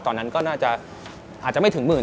ตอนนั้นก็น่าจะอาจจะไม่ถึงหมื่น